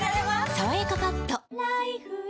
「さわやかパッド」